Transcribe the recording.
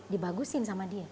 dibagusin sama dia